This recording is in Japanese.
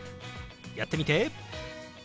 やってみて。